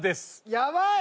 やばい！